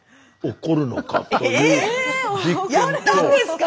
えぇやったんですか？